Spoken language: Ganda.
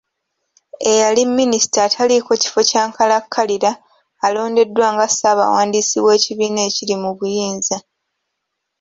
Eyali Minisita ataliiko kifo kya nkalakkalira alondeddwa nga ssaabawandiisi w’ekibiina ekiri mu buyinza.